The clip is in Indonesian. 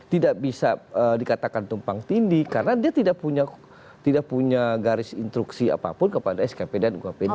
tidak bisa dikatakan tumpang tindih karena dia tidak punya garis instruksi apapun kepada skp dan ukpd